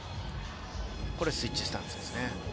これはスイッチスタンスですね。